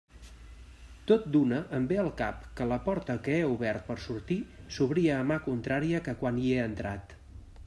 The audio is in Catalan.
Tot d'una em ve al cap que la porta que he obert per sortir s'obria a mà contrària que quan hi he entrat.